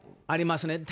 ありますね。